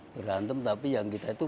berantem tapi yang kita itu